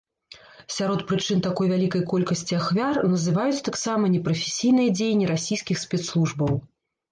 Сярод прычын такой вялікай колькасці ахвяр называюць таксама непрафесійныя дзеянні расійскіх спецслужбаў.